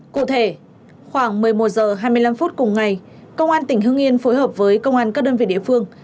cụ thể khoảng một mươi một h hai mươi năm phút cùng ngày công an tỉnh hưng yên phối hợp với công an các đơn vị địa phương